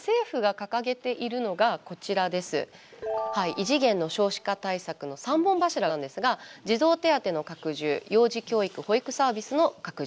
異次元の少子化対策の３本柱なんですが児童手当の拡充幼児教育・保育サービスの拡充